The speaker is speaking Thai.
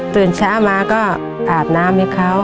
ตื่นเช้ามาก็อาบน้ำให้เขา